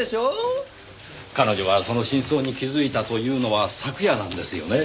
彼女がその真相に気づいたというのは昨夜なんですよねぇ。